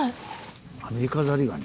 アメリカザリガニ。